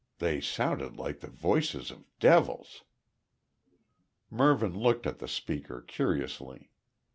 They sounded like the voices of devils." Mervyn looked at the speaker curiously.